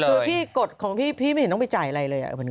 คือพี่กดของพี่พี่ไม่เห็นต้องไปจ่ายอะไรเลย